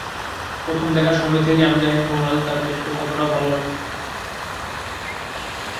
প্রথম দেখার সময় থেকেই আমি জানি ডোনাল্ড তাঁর দেশকে কতটা ভালোবাসে।